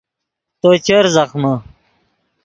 تو چر زخمے